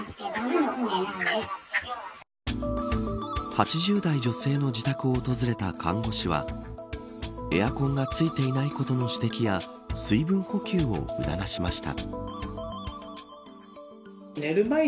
８０代女性の自宅を訪れた看護師はエアコンがついていないことの指摘や水分補給を促しました。